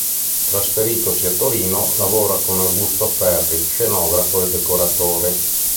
Trasferitosi a Torino lavora con Augusto Ferri, scenografo e decoratore.